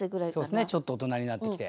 そうですねちょっと大人になってきて。